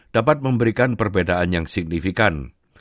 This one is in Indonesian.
dapat memberikan perbedaan yang signifikan